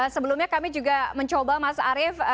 sebelumnya kami juga mencoba mas arief